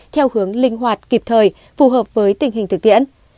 theo hướng linh hoạt kịp thời phù hợp với tình hình thực tiễn